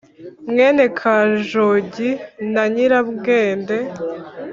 Mwene kajogi na nyirabwende